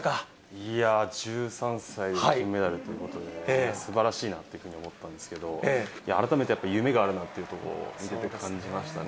いやー、１３歳で金メダルということで、すばらしいなというふうに思ったんですけれども、改めてやっぱ夢があるなっていうところを見てて感じましたね。